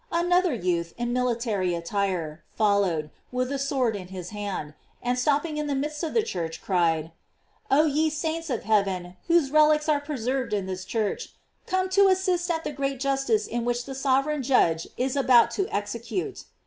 Another youth, in military attire, followed, with a sword in his hand, and stopping in the midst of the church, cried: "Oh ye saints of heaven, whose relics are preserved in this church, come to assist at the great justice which the sovereign Judge is about to execute."